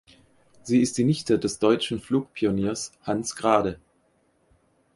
Sie ist die Nichte des deutschen Flugpioniers Hans Grade.